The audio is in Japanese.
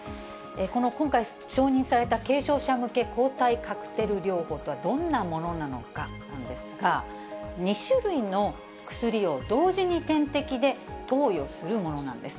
この今回、承認された軽症者向け抗体カクテル療法とはどんなものなのかなんですが、２種類の薬を同時に点滴で投与するものなんです。